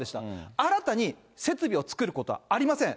新たに設備を作ることはありません。